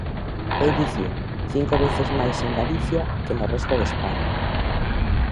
É dicir, cinco veces máis en Galicia que no resto de España.